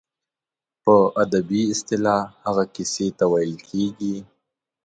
په ادبي اصطلاح هغې کیسې ته ویل کیږي.